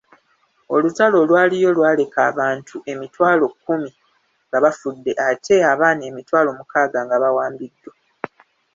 Olutalo olwaliyo lwaleka abantu emitwalo kumi nga bafudde ate abaana emitwalo mukaaga nga bawambiddwa.